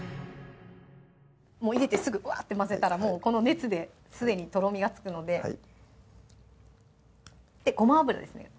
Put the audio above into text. もう入れてすぐワッて混ぜたらもうこの熱ですでにとろみがつくのではいごま油ですね